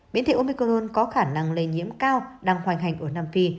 biến thể omicron có khả năng lây nhiễm cao đang hoành hành ở nam phi